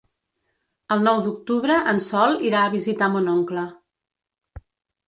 El nou d'octubre en Sol irà a visitar mon oncle.